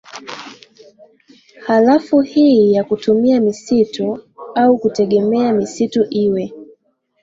halafu hii ya kutumia misitu au kutegemea misitu iwe